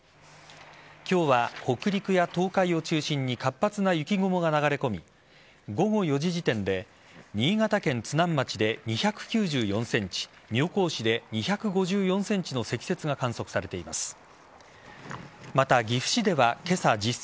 今日は北陸や東海を中心に活発な雪雲が流れ込み午後４時時点で新潟県津南町で２９４ｃｍ妙高市で２５４ｃｍの積雪が観測されています。